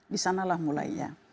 di sanalah mulainya